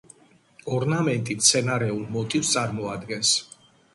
ორნამენტი მცენარეულ მოტივს წარმოადგენს.